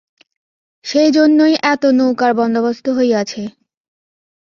সেইজন্যই এত নৌকার বন্দোবস্ত হইয়াছে।